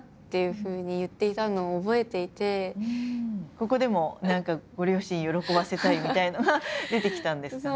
ここでも何かご両親喜ばせたいみたいのが出てきたんですかね。